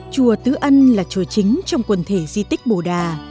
chùa tứ ân là chùa chính trong quần thể di tích bồ đà